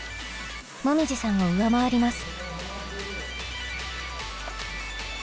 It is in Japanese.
もみじさんを上回ります。